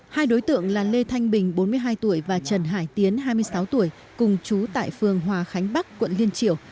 hai đối tượng là lê thanh bình bốn mươi hai tuổi và trần hải tiến hai mươi sáu tuổi cùng chú tại phường hòa khánh bắc quận liên triều